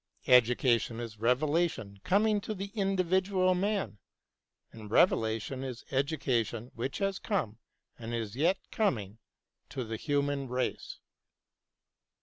Education is revelation coming to the individual man, and revelation is education which has come and is yet coming to the human race.